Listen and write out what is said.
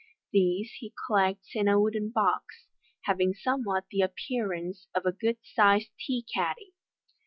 These he collects in a wooden box, having somewhat the appearance of a good sized tea caddy.